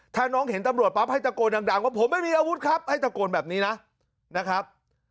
ถ้าน้องเห็นตำรวจปั๊บให้ตะโกนดังว่าผมไม่มีอาวุธครับให้ตะโกนแบบนี้นะนะครับ